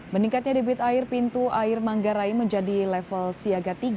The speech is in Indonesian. meningkatnya debit air pintu air manggarai menjadi level siaga tiga